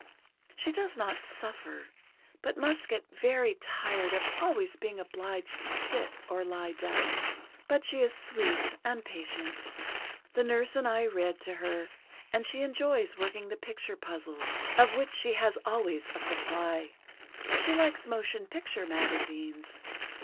"She does not suffer, but must get very tired of always being obliged to sit, or lie down. But she is sweet and patient. The nurse and I read to her, and she enjoys working the picture puzzles, of which she has always a supply. She likes motion picture magazines.